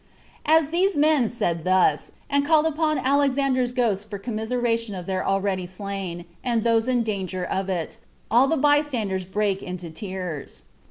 3. As these men said thus, and called upon Alexander's ghost for commiseration of those already slain, and those in danger of it, all the bystanders brake out into tears.